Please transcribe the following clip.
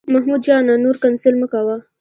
محمود جانه، نور کنځل مه کوه.